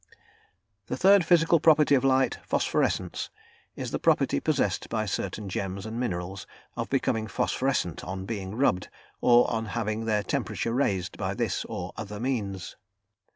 The third physical property of light, PHOSPHORESCENCE, is the property possessed by certain gems and minerals of becoming phosphorescent on being rubbed, or on having their temperature raised by this or other means.